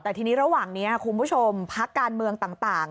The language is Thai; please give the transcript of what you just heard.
แต่ทีนี้ระหว่างนี้คุณผู้ชมพักการเมืองต่าง